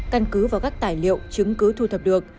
căn cứ và các tài liệu chứng cứ thu thập được